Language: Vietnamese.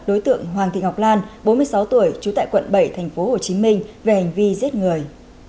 đối tượng hoàng thị ngọc lan bốn mươi sáu tuổi trú tại quận bảy tp hcm về hành vi giết người